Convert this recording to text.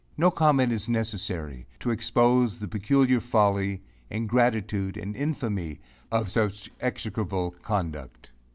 No comment is necessary, to expose the peculiar folly, ingratitude, and infamy of such execrable conduct.